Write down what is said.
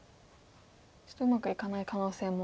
ちょっとうまくいかない可能性も。